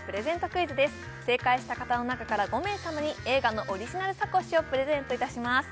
クイズです正解した方の中から５名様に映画のオリジナルサコッシュをプレゼントいたします